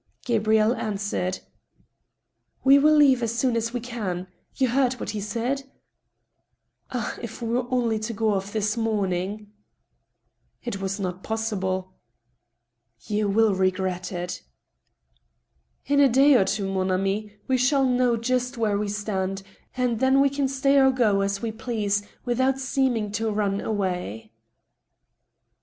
Gabrielle answered : A DISAGREEABLE VISITOR. 67 •' We will leave as soon ad we can. You heard what he said ?"" Ah ! if we had only got off this mgming !"" It was not possible." " You will regret it." " In a day or two, mon ami, we shall know just where we stand, and then we can stay or go, as we please, without seeming to run away."